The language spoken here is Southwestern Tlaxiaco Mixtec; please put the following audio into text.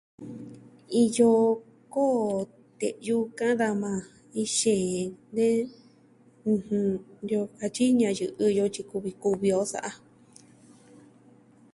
Iyo koo te'yu ka'an daja majan iin xeen jen, de... ɨjɨn, de iyo katyi ñayɨ'ɨ jɨ yo tyi kuvi kuvi o sa'a ja.